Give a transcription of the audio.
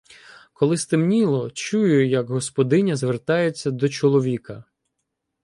Коли стемніло, чую, як господиня звертається до чоловіка: